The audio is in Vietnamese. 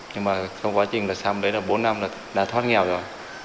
nhưng mà trong quá trình bốn năm đã thoát nghèo rồi